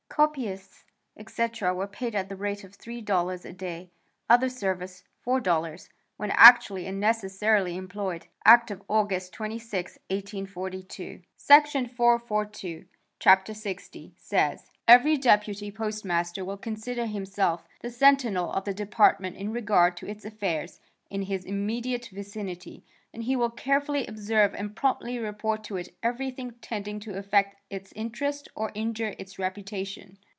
Copyists, etc., were paid at the rate of $3 a day; other service $4 when actually and necessarily employed. (Act of August 26, 1842.) Section 442, Chapter 60, says: "Every deputy postmaster will consider himself the Sentinel of the Department in regard to its affairs in his immediate vicinity; and he will carefully observe and promptly report to it everything tending to affect its interests or injure its reputation."